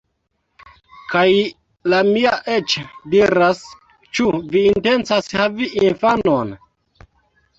Kaj la mia eĉ diras "Ĉu vi intencas havi infanon?"